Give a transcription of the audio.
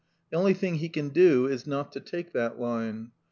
The only thing he can do is not to take that line.